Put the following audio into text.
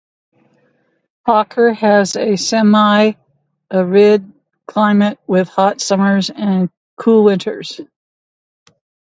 Hawker has a semi-arid climate with hot summers and cool winters.